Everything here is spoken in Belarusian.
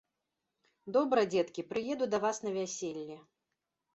Добра, дзеткі, прыеду да вас на вяселле.